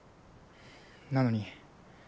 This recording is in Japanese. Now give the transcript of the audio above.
なのに。